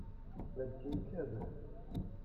"Ale gdzie i kiedy?"